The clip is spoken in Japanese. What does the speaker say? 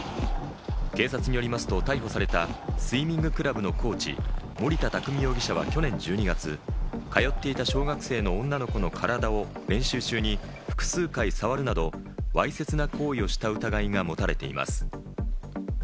警察によりますと逮捕されたスイミングクラブのコーチ、森田匠容疑者は去年１２月、通っていた小学生の女の子の体を練習中に複数回さわるなど、わいせつな行為をした疑いが持たれています。